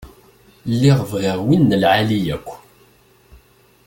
Lliɣ bɣiɣ win n lεali yakk.